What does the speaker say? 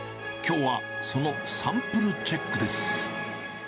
きょうは、そのサンプルチェックです。